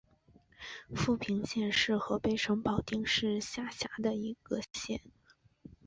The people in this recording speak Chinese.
阜平县是河北省保定市下辖的一个县。